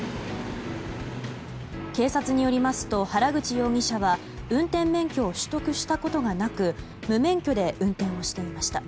警察によりますと原口容疑者は運転免許を取得したことがなく無免許で運転をしていました。